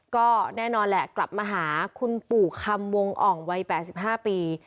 ก็แน่นอนแหละกลับมาหาคุณปู่คำวงอ่องวัย๘๕ปี